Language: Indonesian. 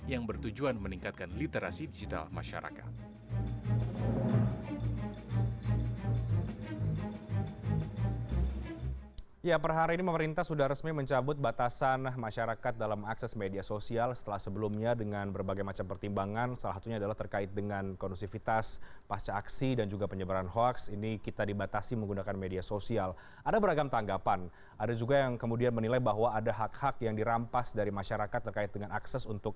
yang bertujuan meningkatkan literasi digital masyarakat